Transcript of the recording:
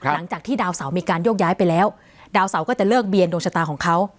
หลังจากที่ดาวเสามีการโยกย้ายไปแล้วดาวเสาก็จะเลิกเบียนดวงชะตาของเขา